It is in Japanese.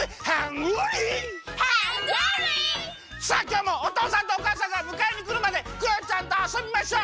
さあきょうもおとうさんとおかあさんがむかえにくるまでクヨちゃんとあそびましょ！